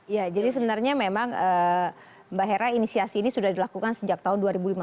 ya jadi sebenarnya memang mbak hera inisiasi ini sudah dilakukan sejak tahun dua ribu lima belas